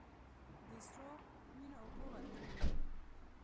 د سرو، وینو اوبه ورکوي